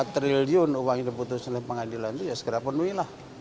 empat triliun uang yang diputus oleh pengadilan itu ya segera penuhi lah